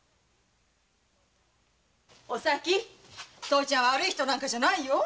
父ちゃんは悪い人なんかじゃないよ。